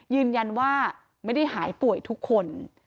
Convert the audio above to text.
ยืนยันว่าไม่ได้หายป่วยทุกคน